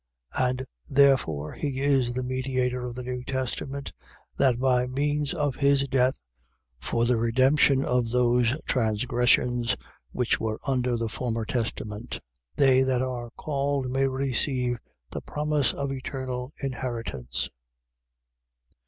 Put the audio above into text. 9:15. And therefore he is the mediator of the new testament: that by means of his death for the redemption of those transgressions which were under the former testament, they that are called may receive the promise of eternal inheritance.